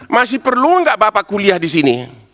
masih perlu nggak bapak kuliah di sini